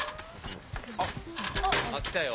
あっきたよ。